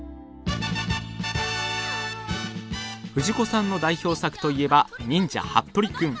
藤子さんの代表作といえば「忍者ハットリくん」。